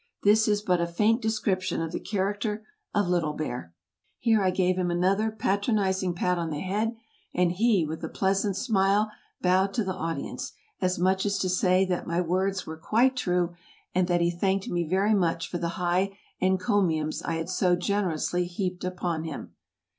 This is but a faint description of the character of Yellow Bear." Here I gave him another patronizing pat on the head, and he, with a pleasant smile, bowed to the audience, as much as to say that my words were quite true, and that he thanked me very much for the high encomiums I had so generously heaped upon him.